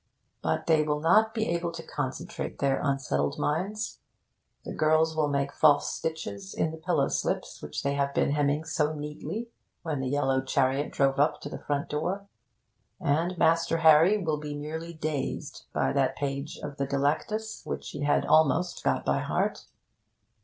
But they will not be able to concentrate their unsettled minds. The girls will make false stitches in the pillow slips which they had been hemming so neatly when the yellow chariot drove up to the front door; and Master Harry will be merely dazed by that page of the Delectus which he had almost got by heart.